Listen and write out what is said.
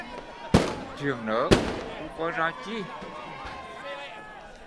Chuyện nớ, tui coi ra chi